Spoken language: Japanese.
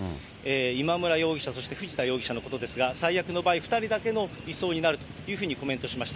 今村容疑者、そして藤田容疑者のことですが、最悪の場合、２人だけの移送になるというふうにコメントしました。